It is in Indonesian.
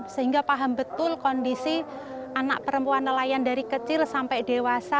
sehingga paham betul kondisi anak perempuan nelayan dari kecil sampai dewasa